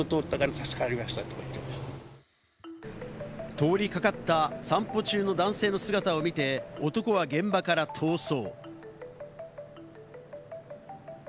通りかかった散歩中の男性の姿を見て、男は現場から逃走。